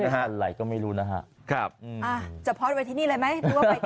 จะพอตอยู่ในนี้เลยไหม